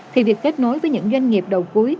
thì việc kết nối với những doanh nghiệp đầu cuối